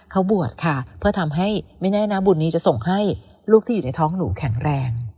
เขาบวชค่ะเพื่อทำให้ไม่แน่นะบุญนี้จะส่งให้ลูกที่อยู่ในท้องหนูแข็งแรง